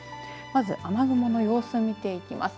まず雨雲の様子、見ていきます。